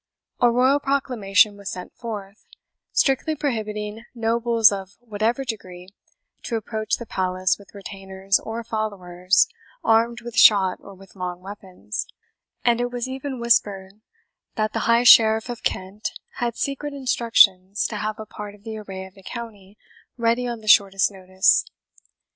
A royal proclamation was sent forth, strictly prohibiting nobles of whatever degree to approach the Palace with retainers or followers armed with shot or with long weapons; and it was even whispered that the High Sheriff of Kent had secret instructions to have a part of the array of the county ready on the shortest notice.